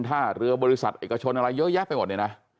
ท่าเรือบริษัทเอกชนอะไรเยอะแยะไปหมดเนี่ยนะ